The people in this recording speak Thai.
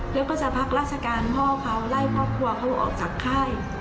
แล้วก็จะพักราชการพ่อเขาไล่ครอบครัวเขาออกจากค่าย